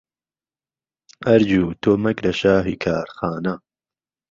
ئەرجو تۆ مهگره شاهی کارخانه